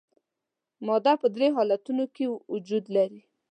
ماده په درې حالتونو کې وجود لري.